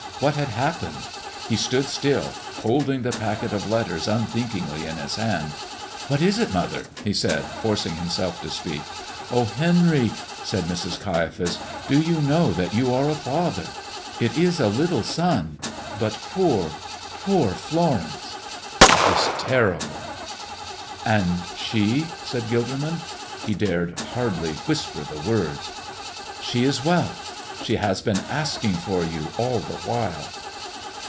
What had happened? He stood still, holding the packet of letters unthinkingly in his hand. "What is it, mother?" he said, forcing himself to speak. "Oh, Henry," said Mrs. Caiaphas, "do you know that you are a father? It is a little son. But poor, poor Florence. It was terrible!" "And she?" said Gilderman. He dared hardly whisper the words. "She is well. She has been asking for you all the while."